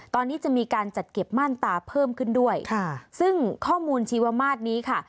ตอนนี้จะมีการจัดเก็บม่านตาเพิ่มขึ้นด้วยค่ะซึ่งข้อมูลชีวมาศนี้ค่ะ